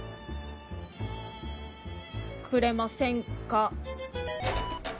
くれませんか。